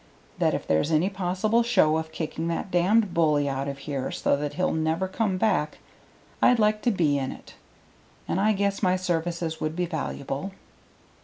That if there's any possible show of kicking that damned bully out of here so that he'll never come back, I'd like to be in it. And I guess my services would be valuable."